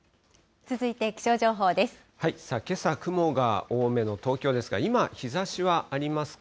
けさ、雲が多めの東京ですが、今、日ざしはありますか？